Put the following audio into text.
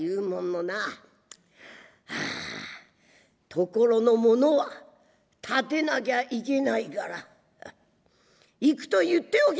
あところのものは立てなきゃいけないから行くと言っておけ」。